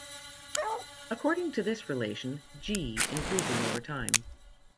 According to this relation, "G" increases over time.